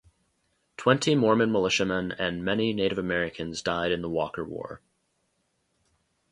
Twenty Mormon militiamen and many Native Americans died in the Walker War.